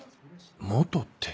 「元」って。